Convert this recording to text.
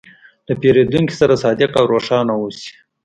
له پیرودونکي سره صادق او روښانه اوسې.